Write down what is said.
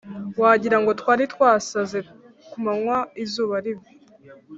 wagirango twari twasaze kumanywa izuba riva